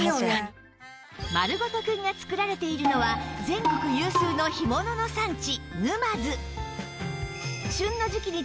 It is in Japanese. まるごとくんが作られているのは全国有数の干物の産地沼津